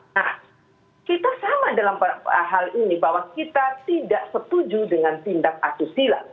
nah kita sama dalam hal ini bahwa kita tidak setuju dengan tindak asusila